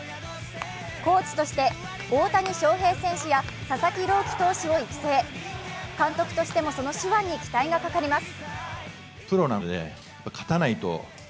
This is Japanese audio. コーチとして大谷翔平選手や佐々木朗希投手を育成、監督としてもその手腕に期待がかかります。